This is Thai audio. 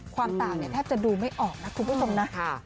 ความต่างเนี่ยแทบจะดูไม่ออกนะคุณผู้ชมนะ